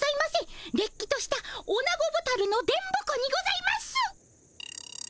れっきとしたオナゴボタルの電ボ子にございます。